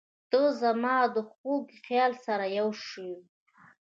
• ته زما د خوږ خیال سره یوه شوې.